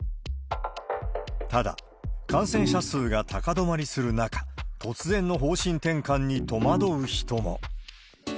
ただ、感染者数が高止まりする中、突然の方針転換に戸惑う人も。